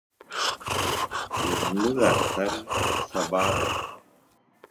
زموږ اختر سبا دئ.